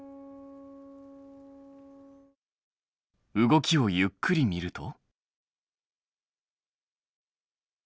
動きをゆっくり見ると。